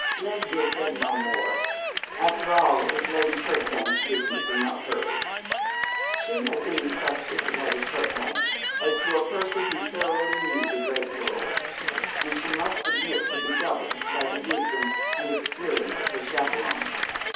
Lesbia said no more. After all it was Lady Kirkbank's business and not hers. See had been entrusted to Lady Kirkbank as to a person who thoroughly knew the great world, and she must submit to be governed by the wisdom and experience of her chaperon.